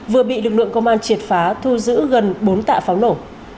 vừa bị lực lượng công an triệt phá thu giữ gần bốn tạ pháo nổ